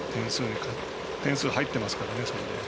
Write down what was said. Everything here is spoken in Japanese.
点数入ってますからね、それで。